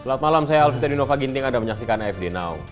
selamat malam saya alvita dinova ginting anda menyaksikan afd now